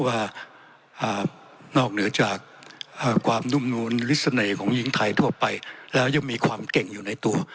ว่านอกเหนือจากความนุ่มนวลฤทเสน่ห์ของหญิงไทยทั่วไปแล้วยังมีความเก่งอยู่ในตัว